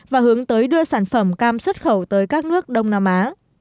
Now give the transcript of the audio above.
và hướng tới đưa sản phẩm cam xuất khẩu tới các nước đông nam á